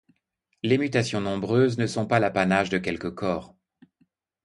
Les mutations nombreuses ne sont pas l’apanage de quelques corps.